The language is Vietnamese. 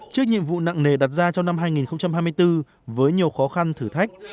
trước nhiệm vụ nặng nề đặt ra trong năm hai nghìn hai mươi bốn với nhiều khó khăn thử thách